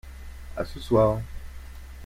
À ce soir.